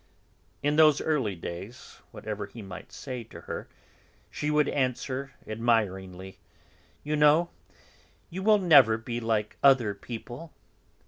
In those early days, whatever he might say to her, she would answer admiringly: "You know, you will never be like other people!"